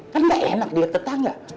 kan nggak enak dilihat tetangga